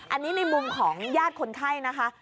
อันนี้ในมุมของญาติคนไข้นะคะ